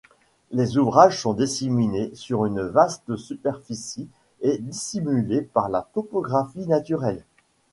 Les ouvrages sont disséminés sur une vaste superficie et dissimulés par la topographie naturelle.